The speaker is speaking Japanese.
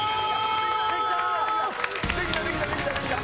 できたできたできたできた！